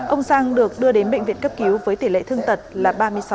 ông sang được đưa đến bệnh viện cấp cứu với tỷ lệ thương tật là ba mươi sáu